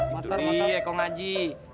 nah itu dia kong haji